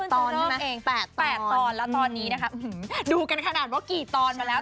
ตอนนั้นเอง๘ตอนแล้วตอนนี้นะคะดูกันขนาดว่ากี่ตอนมาแล้ว